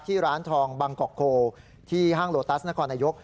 ร้านทองบางกอกโคที่ห้างโลตัสนครนายก